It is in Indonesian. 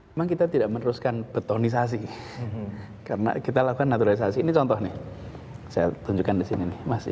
memang kita tidak meneruskan betonisasi karena kita lakukan naturalisasi ini contoh nih saya tunjukkan di sini nih masih